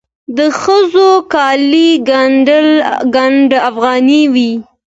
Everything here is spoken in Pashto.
د ښځو کالي ګنډ افغاني وي.